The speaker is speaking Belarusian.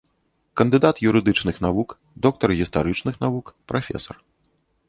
Кандыдат юрыдычных навук, доктар гістарычных навук, прафесар.